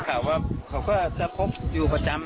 เช้าว่าเขาก็ก็จะพบอยู่ประจำอะนะ